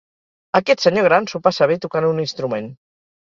Aquest senyor gran s'ho passa bé tocant un instrument.